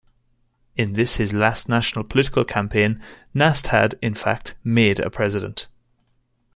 In this his last national political campaign, Nast had, in fact, 'made a president.